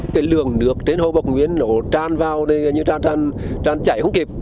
cái lượng nước trên hồ bộc nguyên nó tràn vào như tràn tràn tràn chảy không kịp